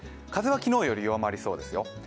風は昨日より弱まりそうですよ。